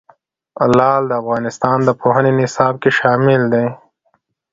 لعل د افغانستان د پوهنې نصاب کې شامل دي.